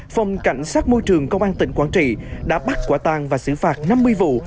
phòng cảnh sát môi trường công an tỉnh quảng trị đã bắt quả tang và xử phạt năm mươi vụ